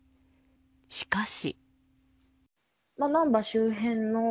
しかし。